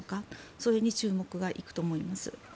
それに注目が行くと思います。